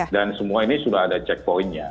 dan semua ini sudah ada checkpointnya